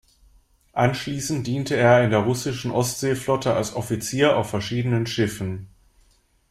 Anschließend diente er in der russischen Ostseeflotte als Offizier auf verschiedenen Schiffen.